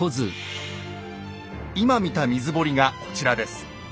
今見た水堀がこちらです。